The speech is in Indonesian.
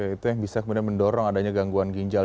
itu yang bisa kemudian mendorong adanya gangguan ginjal